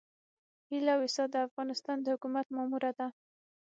هيله ويسا د افغانستان د حکومت ماموره ده.